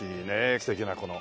素敵なこの。